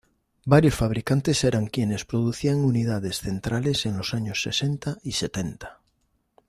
Varios fabricantes eran quienes producían unidades centrales en los años sesenta y setenta.